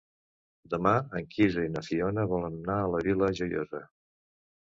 Demà en Quirze i na Fiona volen anar a la Vila Joiosa.